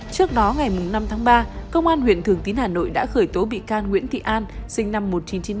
trước đó ngày năm tháng ba công an huyện thường tín hà nội đã khởi tố bị can nguyễn thị an sinh năm một nghìn chín trăm chín mươi